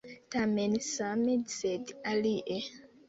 Tamen same, sed alie!